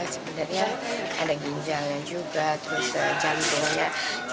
sebenarnya ada ginjalnya juga terus jantungnya